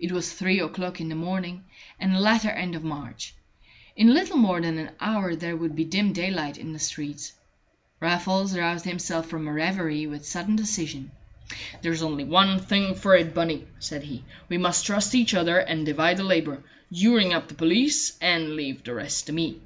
It was three o'clock in the morning, and the latter end of March. In little more than an hour there would be dim daylight in the streets. Raffles roused himself from a reverie with sudden decision. "There's only one thing for it, Bunny," said he. "We must trust each other and divide the labor. You ring up the police, and leave the rest to me."